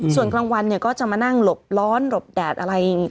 ส่วนกลางวันก็จะมานั่งหลบร้อนหลบแดดอะไรอย่างนี้